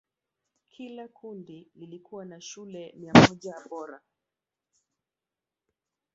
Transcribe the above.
Kila kundi likiwa na shule mia moja bora.